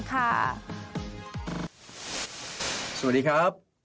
สวัสดีครับ